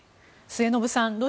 末延さん